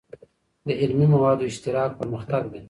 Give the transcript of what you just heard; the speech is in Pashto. د علمي موادو اشتراک پرمختګ دی.